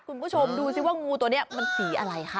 คุณผู้ชมดูสิว่างูตัวนี้มันสีอะไรคะ